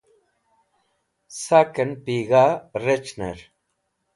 Saken Pig̃ha Rec̃hner